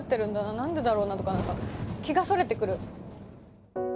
何でだろうな？」とか何か気がそれてくる。